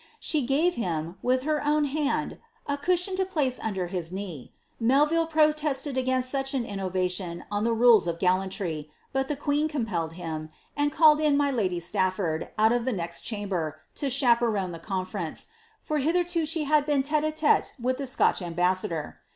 She gave him, with her own hand, a cushion lo place under hi knee; Melville protested against such an innovation on the rules of gal lantry, but the queen compelled him, and called in my lady Stafford oo of the next chamber to chaperon the conference, for htihcrio she hai been l£te a [£te with the Scotch ambassador.